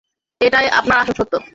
এটাই আপনার আসল সত্য।